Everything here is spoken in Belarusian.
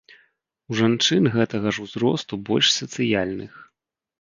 У жанчын гэтага ж узросту больш сацыяльных.